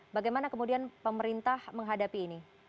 bagaimana kemudian pemerintah menghadapi ini